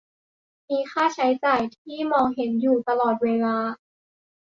มีค่าใช้จ่ายที่มองเห็นอยู่ตลอดเวลา